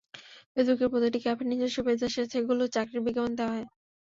ফেসবুকে প্রতিটি ক্যাফের নিজস্ব পেজ আছে, সেগুলোতে চাকরির বিজ্ঞাপন দেওয়া হয়।